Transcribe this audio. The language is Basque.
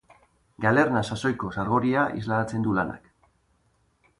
Galerna sasoiko sargoria islatzen du lanak.